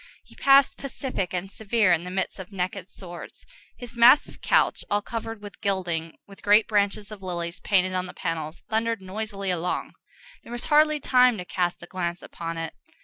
He passed, pacific and severe, in the midst of naked swords. His massive couch, all covered with gilding, with great branches of lilies painted on the panels, thundered noisily along. There was hardly time to cast a glance upon it.